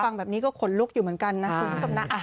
ฟังแบบนี้ก็ขนลุกอยู่เหมือนกันนะคุณผู้ชมนะ